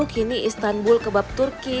kini istanbul kebab turki